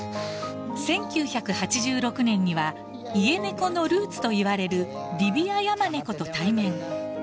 １９８６年にはイエネコのルーツといわれるリビアヤマネコと対面。